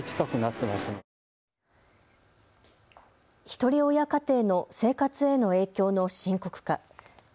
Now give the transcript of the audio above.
ひとり親家庭の生活への影響の深刻化。